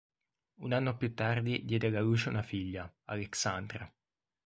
Un anno più tardi diede alla luce una figlia, Aleksandra.